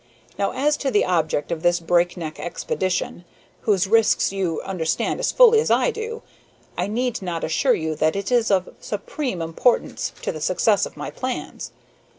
Now, as to the object of this break neck expedition, whose risks you understand as fully as I do, I need not assure you that it is of supreme importance to the success of my plans.